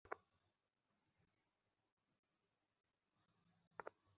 বেলা দুইটার দিকে বাড়ি ফিরে এসে তাঁরা দরজা-জানালা বন্ধ দেখতে পান।